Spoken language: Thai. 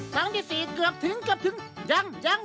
ครั้งที่สี่เกือบถึงกระถึง